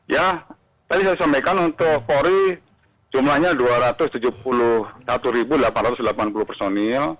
ya tadi saya sampaikan untuk polri jumlahnya dua ratus tujuh puluh satu delapan ratus delapan puluh personil